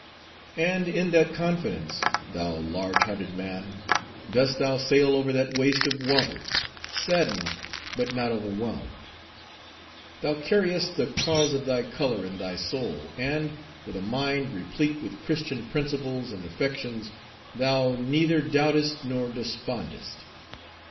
And in that confidence, thou large hearted man, dost thou sail over that waste of waters; saddened, but not overwhelmed. Thou carriest the cause of thy color in thy soul, and, with a mind replete with Christian principles and affections, thou neither doubtest nor despondest.